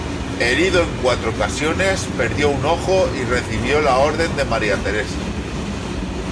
Herido en cuatro ocasiones, perdió un ojo y recibió la Orden de Maria Teresa.